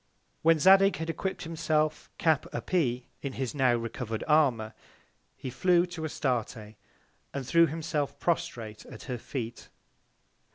When Zadig had equipp'd himself Cap a pee, in his now recover'd Armour, he flew to Astarte, and threw himself prostrate at her Feet.